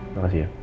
terima kasih ya